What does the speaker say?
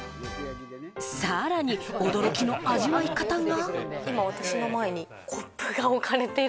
さらに驚きの味わい方が。